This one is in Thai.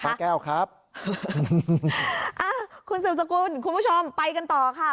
ป้าแก้วครับคุณสุสกุลคุณผู้ชมไปกันต่อค่ะ